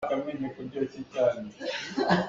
Sarin cu si chunhnak ah an hman.